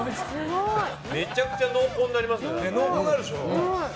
めちゃくちゃ濃厚になりますね。